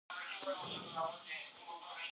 افغانستان په هرات ولایت باندې پوره تکیه لري.